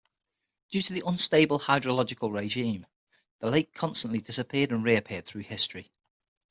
Due to the unstable hydrological regime, the lake constantly disappeared and reappeared through history.